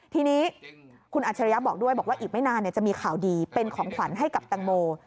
ทีนี้คุณอัจฉริยะบอกด้วยบอกว่าอีกไม่นานจะมีข่าวดีเป็นของขวัญให้กับแตงโม